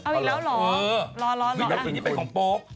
เอาเลยแล้วเหรอรออ่ะมินทาสีนี้เป็นของปอ๊บ